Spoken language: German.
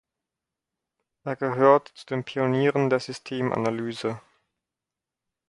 Er gehört zu den Pionieren der Systemanalyse.